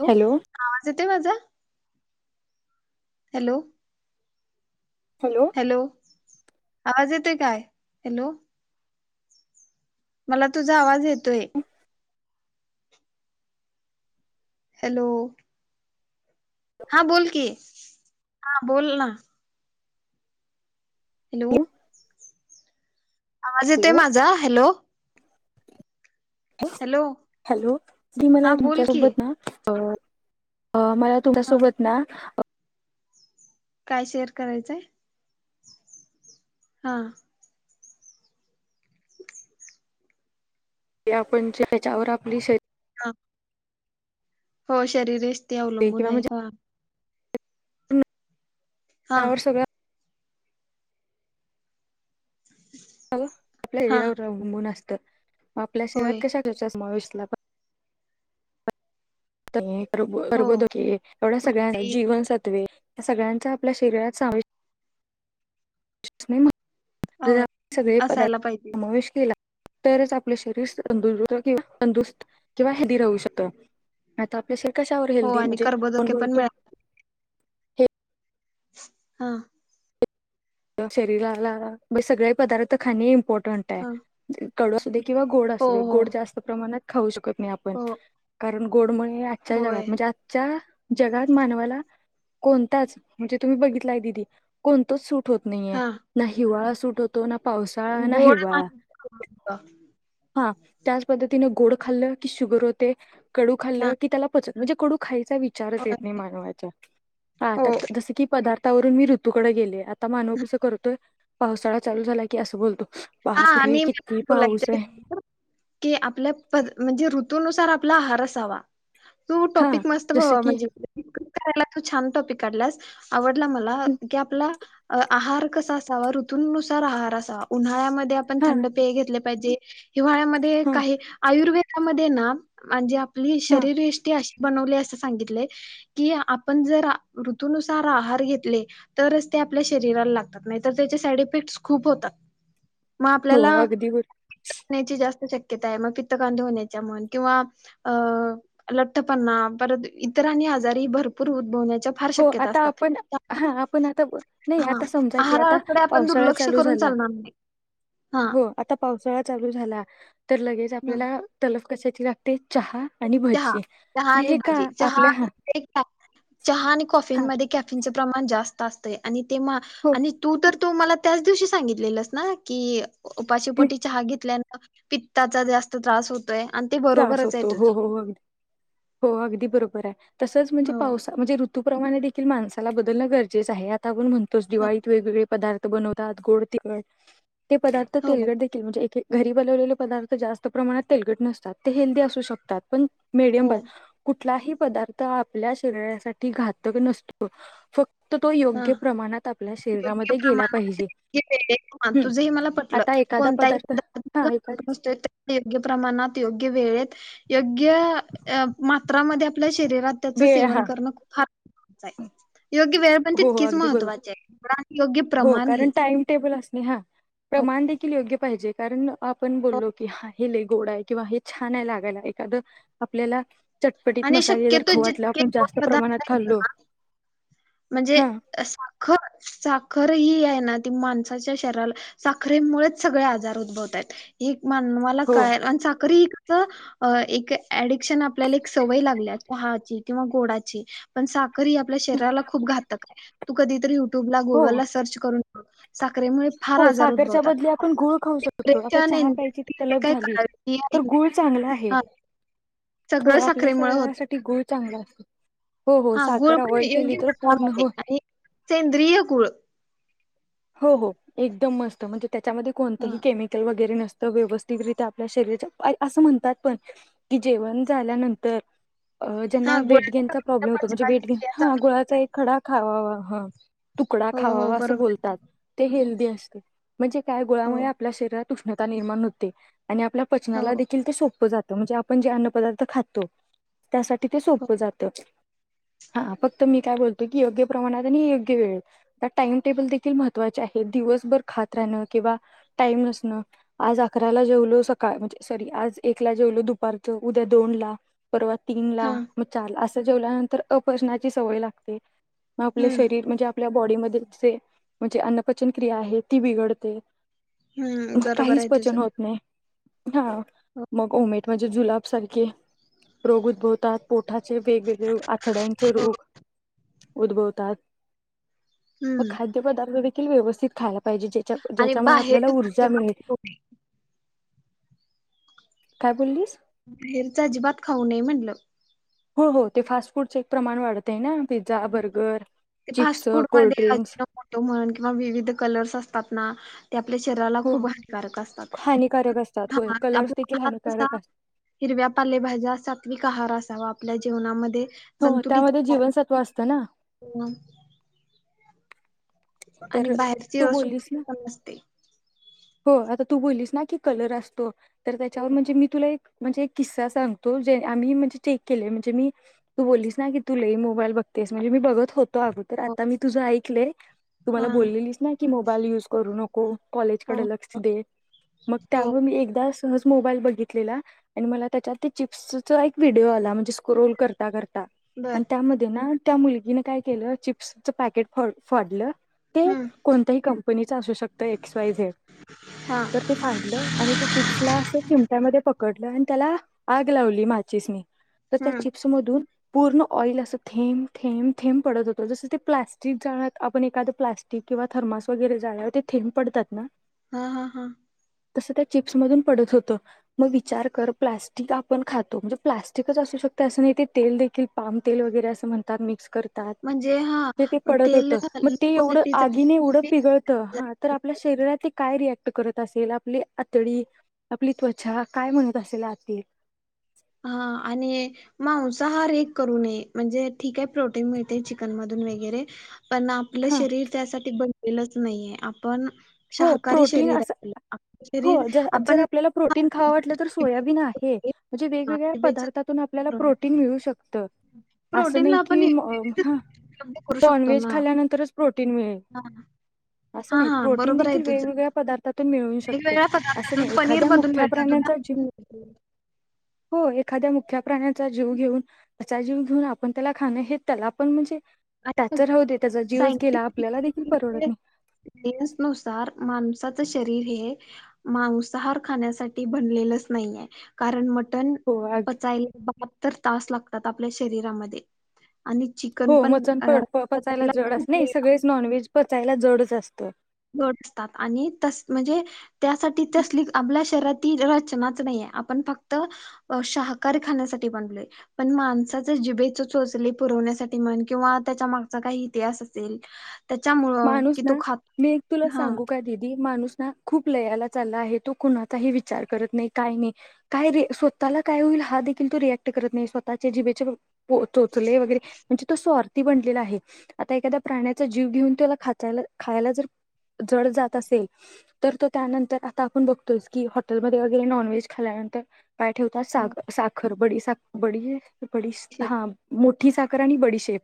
Hello! आवाज येतोय, माझा. हॅलो! हॅलो! आवाज येतोय, काय? हॅलो! मला तुझा आवाज येतोय. हॅलो! हा बोल, की हा बोल ना. हॅलो! आवाज येतोयं, हॅलो माझा हॅलो! Hello hello! ती हा मला बोल की तुमच्यासोबत ना अ अ मला तुझ्या हा सोबत ना काय शेअर करायचंय? आपण त्याच्यावर आपली श हा हो शरीर [unintelligible] ते अवलंबून किंवा आहे म्हणजे हा. हा त्यावर सगळं आपल्या हा शरीरावर अवलंबून असतं, आपल्या होय शरीरात कशा [unintelligible] समावेशला पण हो प्रबोदके एवढ्या सगळ्यां प्रोटीन जीवनसत्वे या सगळ्यांचा आपल्या शरीरात सामा होय ज सगळे पदार्थ असायला पाहिजे समावेश केला तरच आपलं शरीर [unintelligible] किंवा हेल्दी राहू शकत. आता आपल्या श कशावर हो हेल्दी आणि म्हणजे कोण कर्बोदके पण बोलतो मिळा हा शरीराला सगळे पदार्थ खाणे इम्पॉर्टंट आहे. हा कडू असूदे किंवा गोड हो असूदे, हो गोड जास्त प्रमाणात खाऊ शकत नाही आपण, हो कारण गोड आजच्या जगात होय म्हणजे आजच्या जगात मानवाला, कोणताच म्हणजे तुम्ही बघितलाय दिदी, कोणतंच सूट होत नाहीेए, हा ना हिवाळा सूट होत पावसा गोड हिवा नाही हा त्या पद्तीने ग खाल्लं कि शुगर होते, कडू हा खाल्ल की त्याला पच म्हणजे कडू खा विचारचं होय, येत नाही, हो. [unintelligible] जसं की पदार्थवरून मी ऋतू कडे गेले. आता मानव कसं करतोय? पावसाळा चालू झाल, की असं बोलतो. हा बापरे आणि किती पाऊस आहे [unintelligible] की आपल्या [unintelligible] म्हणजे ऋतुनुसार आपला आहार असावा तो हा टॉपिक मस्त [unintelligible] जसं की म्हणजे तू छान टॉपिक काढलास, आवडला मला की आपला अ आहार कसा असावा ऋतूंनुसार आहार असावा, उन्हाळ्यामध्ये आपण हा थंड पेय घेतले पाहिजे. हिवाळ्यामध्ये हा काही आयुर्वेदामध्ये ना, म्हणजे आपली हा शरीर. यष्टी अशी बनवले असं सांगितलंय, की आपण जरा ऋतुनूसार आहार घेतले तरच ते आपल्या शरीराला लागतात, नाही तर त्याचे साईड इफेक्ट्स खूप होतात. [inaudible] मग हो आपल्याला, अगदी बर खाण्याची जास्त शक्य ता मग पित्त कांदेच्या होण्याच्या म्हण, किंवा अ लठ्ठपणा परत इतर आणि आजारी भरपुर उद्भ च्या फार हो शक्यता आता असतात. आपण हा आपण आता ब- नाही हा, आता समजा की आता आहाराकडे आवण पावसाळा दुर्लक्ष चालू करून चा झाला लणार नाय. हो, आता पावसाळा चालू झाला, तर लगेच आपल्याला तल कशाची लागते, चहा आणि चहा भजी चहा तर आणि हे का भजी, चहा आपल्या हा एक [unintelligible] चहा आणि कॉ हा क प्रमाण जात अस हो त त मला दिव स चहा घ पित्ताचा जास्त त्रास होतोय आणि ते त्रास बरोबरच आहे होतो हो तुझं हो हो अगदी हो अगदी बरोबर आहे तसच म्हणजे हो पावसा म्हणजे ू्रमाणे देखील माणसाला बदलण गरजें आहे आता आपण म्हणतोच दिवाळीत वेगवेगळे पदार् बनवतात गोड तिखड हे पदार्थ हो तेलगड देखील म्हणजेे घरी बनवलेले पदार्थ जास्त प्रमाणात तेलगट नसतात ते हेल्दी असू शकतात पण हो मीडियम प कुठलाही पदार्थ आपल्या शरीरासाठी घातक नसतो फक्त तर तो हा योग्य प्रमाणात आपल्या शरीरामध्ये गेला पाहिजे े हं. तुझ हे मला पटलं आता एखादा कोणत्याही पदार्थ हा एखाद पदार्थसतोय योग्य प्रमाणात योग्य वेळेेत योग्य मात्रामध्ये आपल्या शरीरात त्याच वेळ सेवन हा. करणं खपार योग्य व पण हो, हो. तितकीच अगदी बरोबर. महत्त्वाचे योग्य हो प्रमाण ह कारण टाइम टेबल असणे हा प्रमाण देखील योग्य पाहिजे कारण आपण बोललो की हे ले गोड आहे किंवा हे छान आहे लागायला एखाद आपल्याला चटपटीत आणि मसाले जर शक्यतो खवटले जितके आपण जास्त गोड पदार्थ प्रमाणात आहेत खाल्लो ना म्हणजे हा साखर साखर ह आहे ना माणसाच्या शरीला साखरेमुळेच सगळे आजार द् मान हो काय साकरी एक ऍडिक्शन आपल्याला सवय लागल्या चहाची किंवा गोडाची पण साखर ही आपल्या शरीराला खूप घातक आहे तू कधीतरी युट्यूबला हो गुगलला ला सर्च करून साखरेमुळे फार हो आजार साखरच्या उद्भवतात बली आपण गुळ खाऊ शकतो आता डिप्रेशन चहा प्यायची एन्झायटी जे तलब काय झाली काळजी आहे गूळ चांगला आहे हा हो सगळं आपल्या साखरेमुळे होत साठी गूळ चांगला अस हो हो हा गुळ साखर पण अवॉइड केली योग्य तर पूर्ण प्रमाणात हो आणि सेंद्रिय गुळ हो हो एकदम मस्त म्हणजे त्याच्यामध्ये हा कोणतही केमिकल वगैरे नस व्यवस्थित रित आपल्या शरीरा असं म्हणतात पण की जेवण झाल्यानंतर हा ज्यांना वेट गेन चा गुळाच्या प्रॉब्लेम होतो म्हणजे पचनात वेट गेन क्रिया हा चांगल्या गुळाचा होत्या. एक खडा खावावा ह तुकडा हो हो खावावा अस बरोबर बोलतात ते हेल्दी असते म्हणजे काय हो गोळामुळे आपल्या शरीरा ष्ण निण हो आणि हो आपल्याचना सोात म्हणजे आपण जे अन्न पदार्थ खातो त्यासाठी ते हो सोपं जातं हा फक्त मी काय बोलतो की योग्य प्रमाणात आणि योग्य वेळ टाइमटेबल देखील मह दिवसभर खात राहण किंवा टाईम नसणं आज अकराला जेवलो सकाळ म्हणज सॉरी आज एकला जेवलो दुपारच उद्या दोन ला परवा तीन ला हा मग चार ला असं जेवल्यानंतर अपजनाची सवय लागते मग आपले हम्म शरीर म्हणजे आपल्या बॉडीमध्ये जे म्हणजे अन्नपचन क्रिया आहे ती बिघडते हम्म मग बरोबर काहीच आहे तुझं पचन होत नाही हा हो मग मेट म्हणजे जुलाब सारखे रोग उद्भवतात पोठाचे वेगवेगळे आथड्यांचे रोग उद्भवतात हम्म व्यवस्ित खायला पाजे आणि ज्याच्यामुळे आपल्याला बाहेर ऊर्जा मिळेल काय बोललीस हेरच अजिबात खाऊ नये म्हंटलं हो हो ते फास्ट फूडचं एक प्रमाण वाढतं आहे ना पिझ्झा बर्गर ते फास्ट चिप्स फूड म अज कोल्ड्रिंक्स फोटो म्हणून किंवा विविध कलर्स असतात ना ते आपल्या शरीराला हो खूप हानक असतात हानिकारक असतात होय आप कलर्स देखील हात क हानिकारक असतात हिरव्या पालेभाज्या सात्विक आहार असावा आपल्या जेवनामध्ये हो त्यामध्ये जीवनसत्व असत ना आणि तर तू बाहेरचेवच्छ बोललीस ना पण अससते हो आता तू बोललीस ना की कलर असतो तर हो त्याच्यावर म्हणजे मी तुला एक म्हणजे एक किस्सा सांगतो जे आम्ही म्हणजे टेक केले म्हणजे मी तू बोललीस ना की तु लई मोबाईल बघ तेच म्हणजे म बघत होते तो अगो हो हा कॉलेजकडे हो लक्ष दे मग हो त्यावर मी एकदा सहज मोबाईल बघितलेला आणि मला त्यांच्या ते चिप्स रोल करता करता आणि बर त्यामध्ये ना त्या मुलगीनं काय केलं चिप्सचं पॅकेट फ फोडलं ते हम्म कोणत्याही कंपनीच असू शकतं एक्स वाय झेड हा तर ते फाडलं आणि चिप्सला अस चिमट्यामध्ये पकडलं आणि त्याला आग लावली माचीस नी तर त्या हम्म चिप्स मधून पूर्ण ऑइल असं थेंब थेंब थेंब पडत होतो जसं ते प्लास्टिक जाळ आपण एखादं प्लाॅस्टिक किंवा थर्मास वगैरे जा्यावर तेथेंब पडतात ना हा हा हा तस त्या चिप्स मधून पडत होतं मग विचार कर प्लास्टिक आपण खातो म्हणजे प्लास्टिकच अस असं नाही ते देखील पाम तेल वगैरे अस म्हणतात मिक्स करत म्हणजे हा ते ते पडत तेल होत लो मग ते एवढं क्वालिटीच आगीने एवढं पिगळतं हा तर आपल्या शरीरात ते काय रियाक्ट करत असेल आपली आतडी आपली त्वचा काय म्हणत असेल आतील हा आणि मांसाहार एक करू नये म्हणजे ठीक आहे प्रोटीन मिळते चिकन मधून वगैरे पण आपलं हा शरीर त्यासाठी बनलेलंच नाहीे आपण हो शाकाहारी प्रोटीन शरीर अस आहे आपलं आपलं शरीर जर आपण आपल्याला प्रोटीन खाव वाटलं तर सोयाबीन आहे म्हणजे वेगवेगळ्या पदार्थातून आपल्याला प्रोटीन मिळू शकतं अस नाही प्रोटीनला कि आपण ह उपलब्ध करू शकतो नॉनव्हेज ना खाल्यानंतरच प्रोटीन मिळेल हा असं हां, नाही हां. प्रोट बरोबर आहे देखील तुझं. वेगवेगळ्या पदार्थातून मिळू शकत वेगवेगळ्या असं पदार्थातून नाही एखाद्या पनीरमधून मुख्या मिळतात, प्राण्याचा ज दुधामधून मिळतं हो एखाद्या मुख्या प्राण्याचा जीव घेऊन त्याचा जीव घेऊन आपण त्याला खाणं हे त्याला आपण म्हणजे आणि त्याच राहू दे त्याचा जीवच गेला आपल्याला सायंटिफिकली देखील परवडत नाही माणसाच शरीर हे मौसाहार खाण्यासाठी बनलेलंच नाहीये कारण मटण हो अगदी पचायला बाहत्तर तास लातात आपल्या शरीरामध्ये आणि हो चिकन पण मचन अ, पचायला जड खूप असत नाही वेळ सगळेच नॉन व्हेज पचायला जडच असतं लोट असतात आणि तस म्हणजे त्यासाठी तसली आपल्या शरीरात रचनाच नाही आपण फक्त शाकादार खण्यासाठी बनलोय पण माणसा जिभेचे चोचले पुवण्यासाठी म्हण किंवा त्याच्या मागचा काही इतिहास असेल त्याच्यामुळं माणूस कि तो ना खातो मी एक तुला सांगू का दिदी माणूस ना खूप लयाला चालला आहे तो कुणाचाही विचार करत नाही काही नाही काय र स्वतःला काय होईल हा देखील त रिएक्ट करत नाही स्वतःच्या जिभेच्या चोचले वगैरे म्हणजे तो स्वार्थी बनलेला आहे आता एखाद्या प्राण्याचा जीव घेऊन त्याला खायला जर जड जात असेल तर तो त्यानंतर आता आपण बघतोय की हॉटेलमध्ये वगैरे नॉनव्हेज खायला पाय ठेवतात सा हो साखर ब ब ब शेप हा मोठी साखर आणि बडीशेप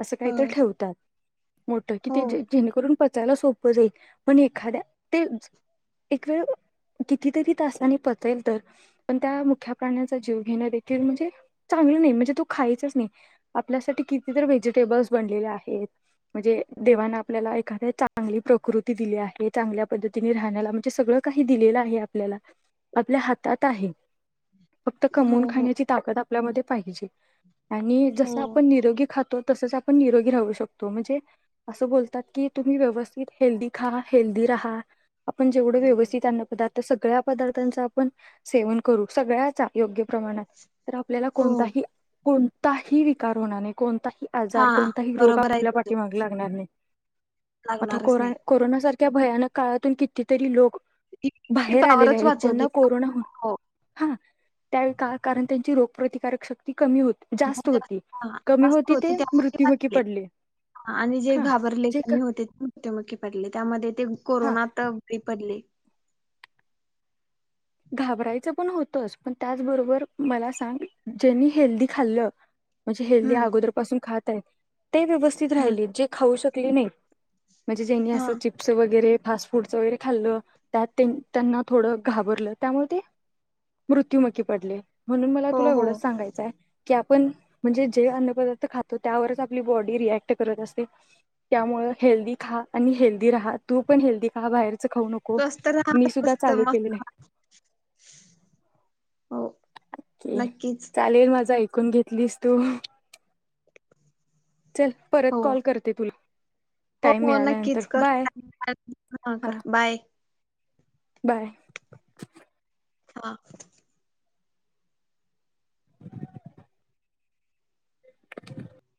असं काहीत होय ठेवतात मोठ की हो ते जेणेकरून पचायला सोपं जाईल पण एखाद्या ते एकवेळ कितीतरी तासाने पचेल तर पण त्या मुख्या प्राण्याचा जीव घेणं देखील म्हणजे म्हणजे खायच नाही आपल्यासाठी किती व्हेजिटेबल बनलेल आहेत म्ह देवाांना आपल्याला एखाद्या चांगली प्रकृती दिली आहे चांगल्या पद्धतीने राहण्याला म्हणजे सगळं काही दिले दिलेल आहे आपल्याला आपल्या हातात आहे फक्त हो कमवून हो खाण्याची ताकद आपल्यामध्ये पाहिजे आणि जस हो आपण निरोगी खात तो तसच आपण निरोगी राहू शकतो म्हणजे असं बोलतात की तुम्ही व्यवस्थित हेल्दी खा हेल्दी राहा आपण जेवढं व्यवस्थित अन्न पदार्थ सगळ्या पदार्थांच आपण सेवन करू, सगळ्याचा योग्य प्रमाणात, तर आपल्याला हो कोणताही कोणताही विकार होणार नाही, कोणताही हा आजार- कोणताही रोग बरोबर आहे आपल्या तुझ पाठीमागे होणार नाही. आता लागणारच नाही कोरोना सारख्या भयानक काळातून, कितीतरी लोक ती बाहेर आलेले पावरच आहेत, ज्यांना वाचवली कोरोना होता. हो हा त्यावेळी का? कारण त्यांची रोगप्रतिकारक शक्ती कमी होती जास्त म्हणजे होती असं हा कमी असं होती ते त्यामुळे मृत्युमुखी वाचले पडले. आणि जे हा घाबरले, [unintelligible] जे प्रतिकारशक्ती का कमी होती ते मृत्युमुखी पडले. त्यामध्ये ते हा कोरोनात बेपत्ता ले. घाबरायचं पण होतंच, पण त्याचबरोबर मला सांग, ज्यांनी हेल्दी खाल्लं म्हणजे हेल्दी हम्म अगोदर पासून खात आहेत ते व्यवस्थित हम्म राहिले, जे खाऊ शकले नाही म्हणजे ज्यांनी हा असं, चिप्स वगैरे फास्ट फूडचं वगैरे खाल्लं, त्यात ते त्यांना थोडं घाबरलं त्यामुळे ते मृत्युमूखी पडले. म्हणून मला, हो तुला हो एवढंच सांगायचं हाय की आपण म्हणजे जे अन्न, पदार्थ खातो, त्यावरच आपली बॉडी रिएक्ट करत असते. त्यामुळ हेल्दी खा आणि हेल्दी राहा. तू पण हेल्दी रहा, बाहेर च खाऊ नको, स्वस्त राहा मी सुद्धा स्वस्त चालू मस्त केले हे. [inaudible] नक्कीच चालेल माझं एक कुठून घेतलीस तू? चल परत हो कॉल करते तुला. हो.. टाइम हो.. मिळाल्यानंतर नक्कीच कर, बाय ह [unintelligible] हा कर बाय. बाय. हा. [inaudible]